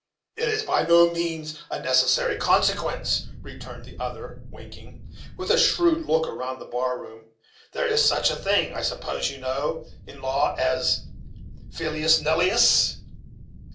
"It is by no means a necessary consequence," returned the other, winking, with a shrewd look around the bar room; "there is such a thing, I suppose you know, in law as a filius nullius."